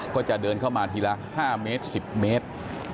ก็จะเดินเข้ามาทีละ๕เมตร๑๐เมตร